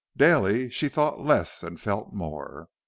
Daily she thought less and felt more.